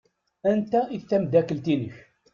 Anita i d tamdakelt-inek?